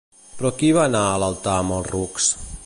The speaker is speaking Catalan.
Però qui va anar a l'altar amb els rucs?